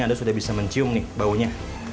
anda sudah bisa mencium nih baunya